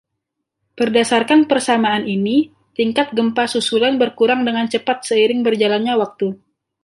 Berdasarkan persamaan ini, tingkat gempa susulan berkurang dengan cepat seiring berjalannya waktu.